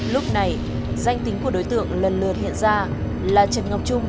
lúc này danh tính của đối tượng lần lượt hiện ra là trần ngọc trung